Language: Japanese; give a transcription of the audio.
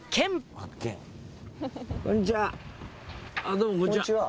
どうもこんにちは。